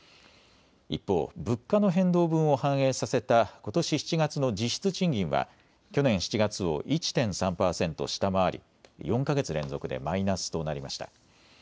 一方、物価の変動分を反映させたことし７月の実質賃金は去年７月を１．３％下回り４か月連続でマイナスとなりました。